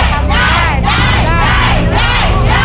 โปรดติดตามตอนต่อไป